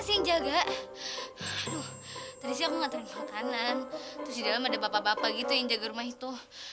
sih jaga tadi aku ngantri makanan terus ada bapak bapak gitu yang jaga rumah itu